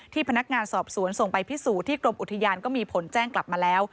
พนักงานสอบสวนส่งไปพิสูจน์ที่กรมอุทยานก็มีผลแจ้งกลับมาแล้ว